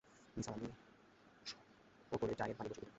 নিসার আলি ক্টোড়ে চায়ের পানি বসিয়ে দিলেন।